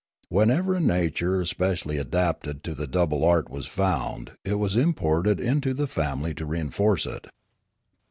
Wherever a nature especially adapted to the double art was found it was imported into the family to reinforce it.